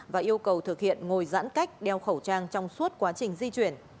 và yêu cầu thực hiện ngồi giãn cách đeo khẩu trang trong suốt quá trình di chuyển